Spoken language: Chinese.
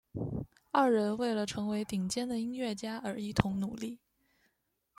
二人为了成为顶尖的音乐家而一同努力。